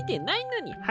なに？